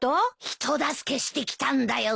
人助けしてきたんだよ。